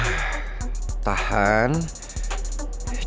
jangan sampai emosi pangeran